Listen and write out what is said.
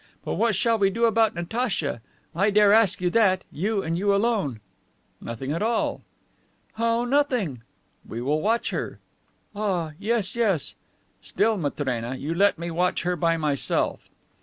But what shall we do about Natacha? I dare ask you that you and you alone." "Nothing at all." "How nothing?" "We will watch her..." "Ah, yes, yes." "Still, Matrena, you let me watch her by myself."